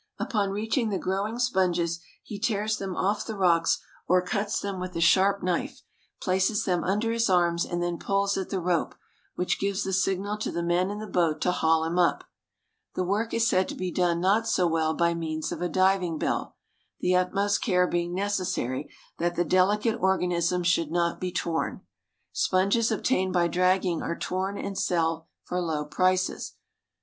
Upon reaching the growing sponges he tears them off the rocks or cuts them with a sharp knife, places them under his arms, and then pulls at the rope, which gives the signal to the men in the boat to haul him up. The work is said to be done not so well by means of a diving bell, the utmost care being necessary that the delicate organisms should not be torn. Sponges obtained by dragging are torn and sell for low prices.